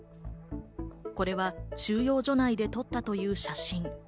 これは収容所内で撮ったという写真。